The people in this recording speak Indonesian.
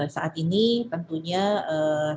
saat ini tentunya sesuai